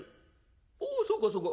「おおそうかそうか。